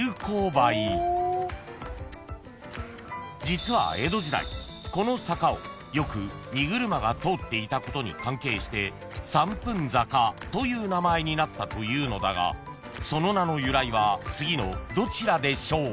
［実は江戸時代この坂をよく荷車が通っていたことに関係して三分坂という名前になったというのだがその名の由来は次のどちらでしょう？］